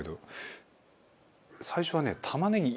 最初はね